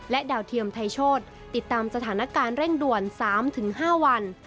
ดาวเทียมไทยโชธติดตามสถานการณ์เร่งด่วน๓๕วัน